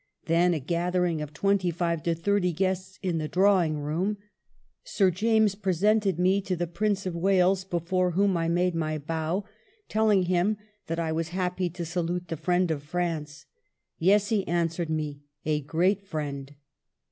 Then a gathering of twenty five to thirty guests in the drawing room. Sir James presented me to the Prince of Wales, before whom I made my bow, telling him that I was happy to salute the friend of France. " ^Yes,' he answered me, 'sl great friend.'